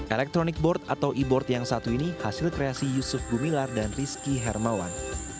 electronic board atau e board yang satu ini hasil kreasi yusuf gumilar dan rizky hermawan